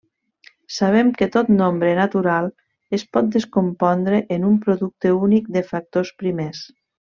Sabem que tot nombre natural es pot descompondre en un producte únic de factors primers.